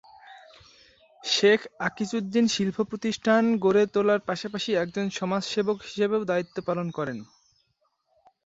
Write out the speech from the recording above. শেখ আকিজউদ্দীন শিল্প প্রতিষ্ঠান গড়ে তোলার পাশাপাশি একজন সমাজসেবক হিসেবেও দায়িত্ব পালন করেন।